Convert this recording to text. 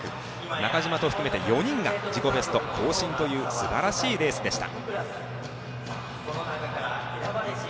中島と含めて４人が自己ベスト更新というすばらしいレースでした。